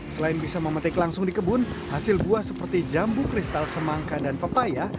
selain bisa memetik langsung di kebun hasil buah seperti jambu kristal semangka dan pepaya